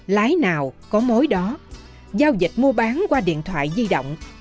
lái nào có mối đó giao dịch mua bán qua điện thoại di động